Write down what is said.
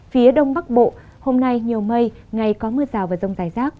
phía đông bắc bộ hôm nay nhiều mây ngày có mưa rào và rông dài rác